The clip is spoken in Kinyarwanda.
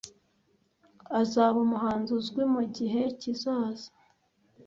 Azaba umuhanzi uzwi mugihe kizaza.